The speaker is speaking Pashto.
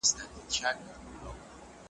د غلیم جنګ ته وروتلي تنها نه سمیږو .